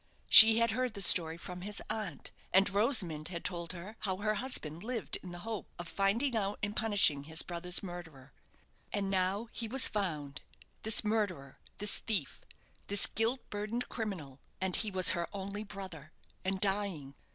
She had heard the story from his aunt, and Rosamond had told her how her husband lived in the hope of finding out and punishing his brother's murderer. And now he was found, this murderer, this thief, this guilt burdened criminal: and he was her only brother, and dying.